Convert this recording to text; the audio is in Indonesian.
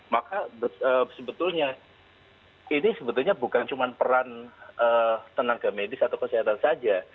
maka sebetulnya ini sebetulnya bukan cuma peran tenaga medis atau kesehatan saja